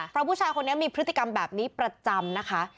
เพราะผู้ชายคนนี้มีพฤติกรรมแบบนี้ประจำนะคะ